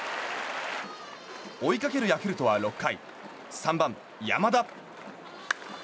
追いかけるヤクルトは６回３番、山田。